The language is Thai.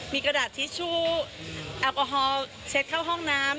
มีกระดาษทิชชู่แอลกอฮอลเช็ดเข้าห้องน้ำ